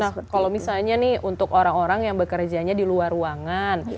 nah kalau misalnya nih untuk orang orang yang bekerjanya di luar ruangan